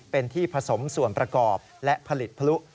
เป็นที่ผสมส่วนประกอบและผลิตพลุ